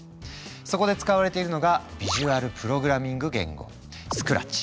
そこで使われているのが「ビジュアルプログラミング言語」「ＳＣＲＡＴＣＨ」。